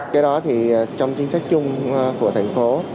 cái đó thì trong chính sách chung của thành phố